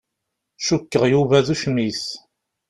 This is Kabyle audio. Cukkeɣ Yuba d ucmit.